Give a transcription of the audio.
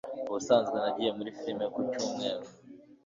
Ubusanzwe nagiye muri firime ku cyumweru.